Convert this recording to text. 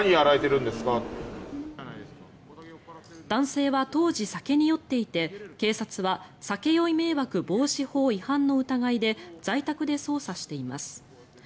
男性は当時、酒に酔っていて警察は酒酔い迷惑防止法違反の疑いで在宅で捜査しています。